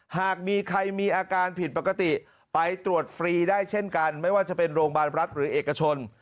หากมีใครมีอาการผิดปกติไปตรวจฟรีได้เช่นกันไม่ว่าจะเป็นโรงพยาบาลรัฐหรือเอกชน